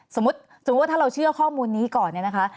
สมมุติว่าถ้าเราเชื่อข้อมูลนี้ก่อนเนี่ยนะคะ